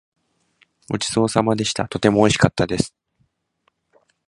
ごちそうさまでした。とてもおいしかったです。